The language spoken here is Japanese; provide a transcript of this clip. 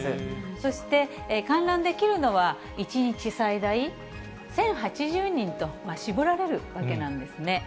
そして観覧できるのは、１日最大１０８０人と、絞られるわけなんですね。